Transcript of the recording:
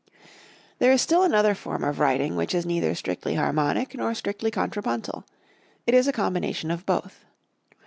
There is still another form of writing which is neither strictly harmonic, nor strictly contrapuntal, it is a combination of both.